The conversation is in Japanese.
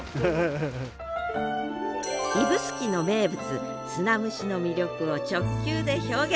指宿の名物砂蒸しの魅力を直球で表現。